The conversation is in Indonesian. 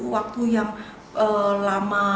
waktu yang lama